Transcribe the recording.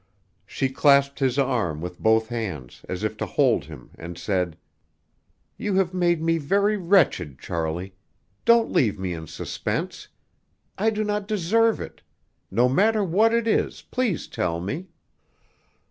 She clasped his arm with both hands, as if to hold him, and said: "You have made me very wretched, Charlie! Don't leave me in suspense! I do not deserve it. No matter what it is, please tell me!"